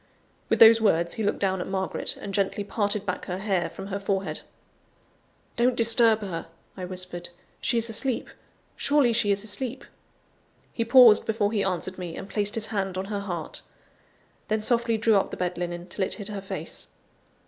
With those words he looked down at Margaret, and gently parted back her hair from her forehead. "Don't disturb her," I whispered, "she is asleep; surely she is asleep!" He paused before he answered me, and placed his hand on her heart. Then softly drew up the bed linen, till it hid her face.